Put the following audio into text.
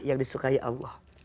yang disukai allah